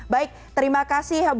baik terima kasih banyak bapak makarim